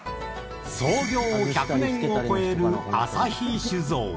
創業１００年を超える朝日酒造。